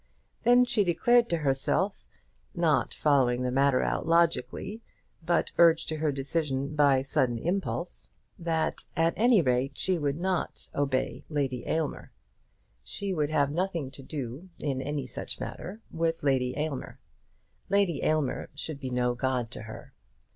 Then she declared to herself, not following the matter out logically, but urged to her decision by sudden impulse, that at any rate she would not obey Lady Aylmer. She would have nothing to do, in any such matter, with Lady Aylmer. Lady Aylmer should be no god to her.